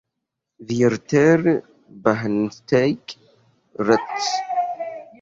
Vierter Bahnsteig, rechts!